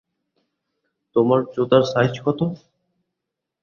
তোমার জুতোর সাইজ কত?